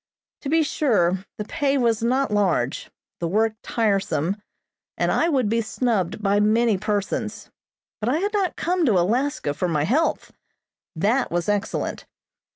To be sure, the pay was not large, the work tiresome, and I would be snubbed by many persons, but I had not come to Alaska for my health. That was excellent.